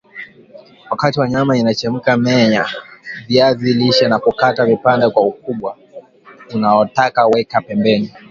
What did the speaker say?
Wakati nyama inachemka menya viazi lishe na kukata vipande kwa ukubwa unaotaka Weka pembeni